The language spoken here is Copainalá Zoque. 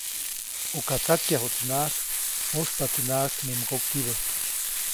Uka tsakyajuʼtsinaʼajk, mujspaʼtsinaʼajk mi mgokibä.